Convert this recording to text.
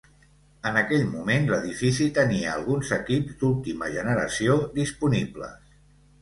En aquell moment, l'edifici tenia alguns equips d'última generació disponibles.